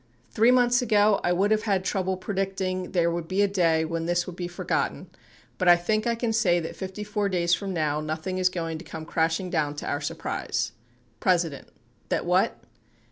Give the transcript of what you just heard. Three months ago I would have had trouble predict ing there would be a day when this would be forgotten but I think I can say that 54 days from now nothing is going to come crashing down to our surprise, P. That what?